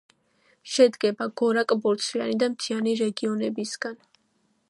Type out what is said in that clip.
შედგება გორაკ–ბორცვიანი და მთიანი რეგიონებისგან.